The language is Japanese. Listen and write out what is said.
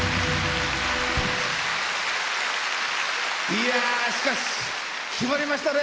いやしかし決まりましたね！